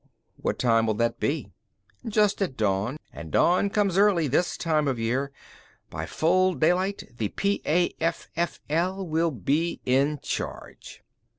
"What time will that be?" "Just at dawn; and dawn comes early, this time of year. By full daylight the PAFFL will be in charge."